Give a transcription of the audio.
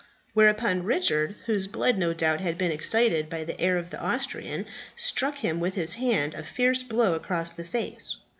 "Whereupon Richard, whose blood no doubt had been excited by the air of the Austrian, struck him with his hand a fierce blow across the face.